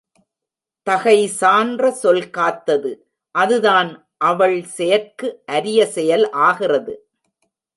தகைசான்ற சொல் காத்தது அதுதான் அவள் செயற்கு அரிய செயல் ஆகிறது.